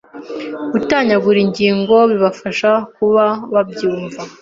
gutanyagura ingingo, bibafasha kuba babyumva